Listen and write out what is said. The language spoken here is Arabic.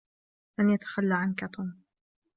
لن يتخلى عنك توم.